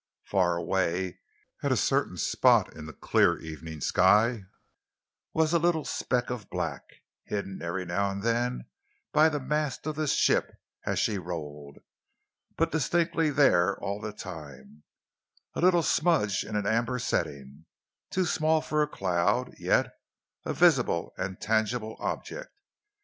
Far away, at a certain spot in the clear evening sky, was a little speck of black, hidden every now and then by the mast of the ship as she rolled, but distinctly there all the time, a little smudge in an amber setting, too small for a cloud, yet a visible and tangible object.